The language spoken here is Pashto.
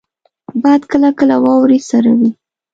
باد کله کله د واورې سره وي